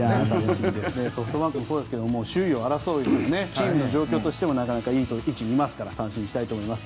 首位を争うチームの状況としてもなかなかいい位置にいますから楽しみにしたいと思います。